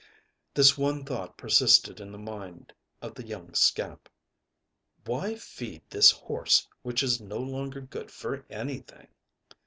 This one thought persisted in the mind of the young scamp: âWhy feed this horse, which is no longer good for anything?